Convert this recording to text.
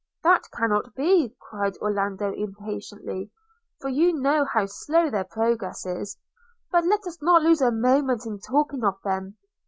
– 'That cannot be,' cried Orlando impatiently, 'for you know how slow their progress is; but let us not lose a moment in talking of them.